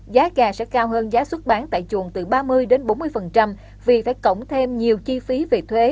giá gà sẽ cao hơn giá xuất bán tại chuồng từ ba mươi đến bốn mươi vì phải cộng thêm nhiều chi phí về thuế